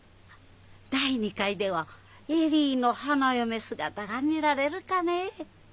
第２回では恵里の花嫁姿が見られるかねえ。